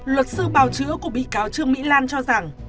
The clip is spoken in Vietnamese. bà chủ bào chữa của bị cáo trương mỹ lan cho rằng